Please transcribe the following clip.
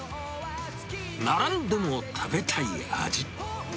並んでも食べたい味。